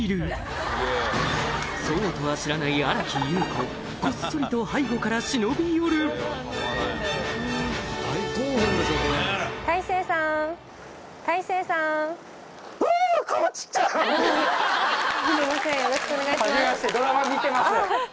そうとは知らない新木優子こっそりと背後から忍び寄るはじめまして。